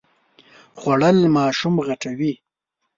خوړل ماشوم غټوي